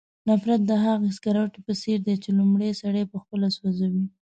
نفرت د هغې سکروټې په څېر دی چې لومړی سړی پخپله سوځوي.